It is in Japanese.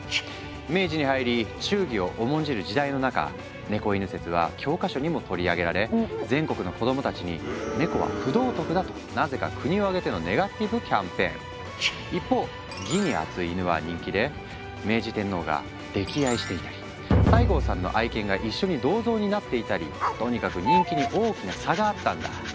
明治に入り忠義を重んじる時代の中「猫狗説」は教科書にも取り上げられ全国の子供たちに「ネコは不道徳だ」となぜか国を挙げてのネガティブキャンペーン。一方義に厚いイヌは人気で明治天皇が溺愛していたり西郷さんの愛犬が一緒に銅像になっていたりとにかく人気に大きな差があったんだ。